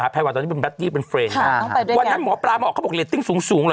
ดูว่าเห็นแต่เขาคงเป็นทางรบแล้วกันก็เยอะ